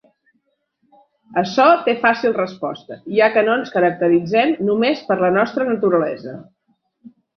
Açò té fàcil resposta, ja que no ens caracteritzem només per la nostra naturalesa.